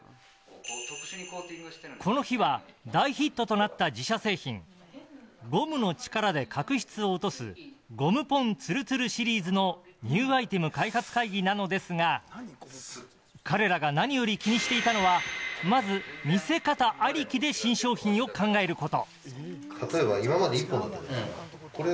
この日は大ヒットとなった自社製品ゴムの力で角質を落とすゴムポンつるつるシリーズのニューアイテム開発会議なのですが彼らが何より気にしていたのはまず見せ方ありきで新商品を考えること。